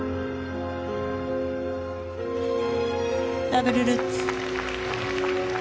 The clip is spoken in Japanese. ダブルルッツ。